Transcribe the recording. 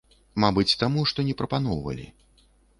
Мабыць, таму, што не прапаноўвалі.